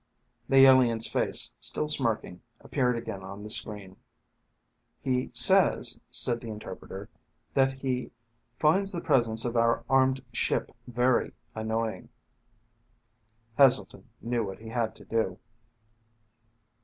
The alien's face, still smirking, appeared again on the screen. "He says," said the interpreter, "that he finds the presence of our armed ship very annoying." Heselton knew what he had to do.